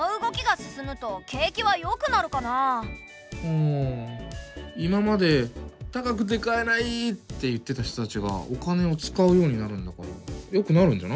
ん今まで「高くて買えない！」って言ってた人たちがお金を使うようになるんだからよくなるんじゃない？